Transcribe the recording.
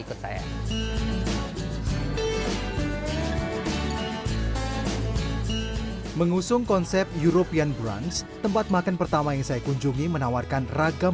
ikut saya mengusung konsep european brunch tempat makan pertama yang saya kunjungi menawarkan ragam